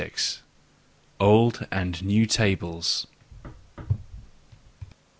OLD AND NEW TABLES.